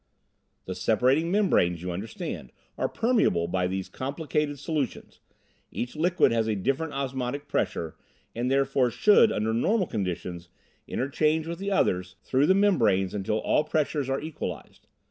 "The separating membranes, you understand, are permeable by these complicated solutions. Each liquid has a different osmotic pressure and therefore should, under normal conditions, interchange with the others through the membranes until all pressures are equalized.